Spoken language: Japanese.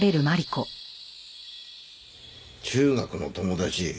中学の友達。